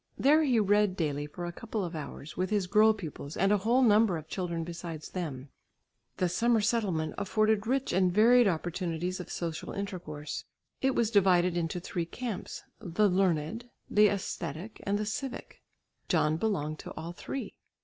There he read daily for a couple of hours with his girl pupils and a whole number of children besides them. The summer settlement afforded rich and varied opportunities of social intercourse. It was divided into three camps, the learned, the æsthetic and the civic. John belonged to all three.